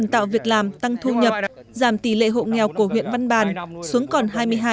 tạo việc làm tăng thu nhập giảm tỷ lệ hộ nghèo của huyện văn bàn xuống còn hai mươi hai